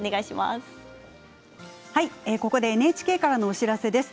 ここでＮＨＫからのお知らせです。